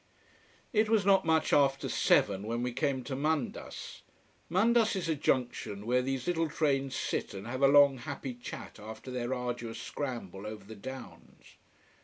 It was not much after seven when we came to Mandas. Mandas is a junction where these little trains sit and have a long happy chat after their arduous scramble over the downs.